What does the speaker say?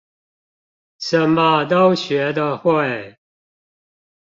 什麼都學得會